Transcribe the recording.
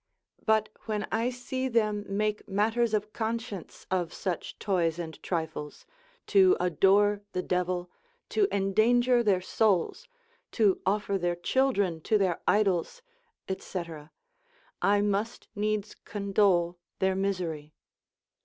but when I see them make matters of conscience of such toys and trifles, to adore the devil, to endanger their souls, to offer their children to their idols, &c. I must needs condole their misery.